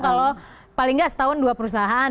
kalau paling nggak setahun dua perusahaan